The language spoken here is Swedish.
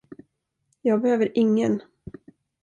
Jag behöver ingen.